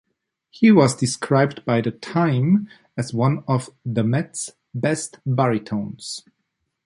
He was described by "Time" as "one of the Met's best baritones".